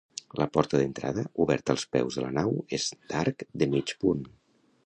La porta d'entrada, oberta als peus de la nau, és d'arc de mig punt.